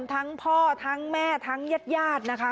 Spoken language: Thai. ทั้งพ่อทั้งแม่ทั้งญาติญาตินะคะ